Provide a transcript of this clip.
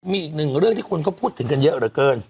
มีอีกหนึ่งเรื่องที่คนก็พูดถึงกันเยอะเหลือเกิน